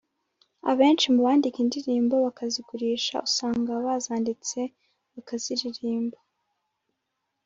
abenshi mu bandika indirimbo bakazigurisha usanga bazanditse bakaziririmba